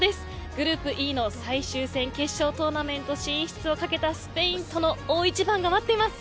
グループＥの最終戦決勝トーナメント進出をかけたスペインとの大一番が待っています。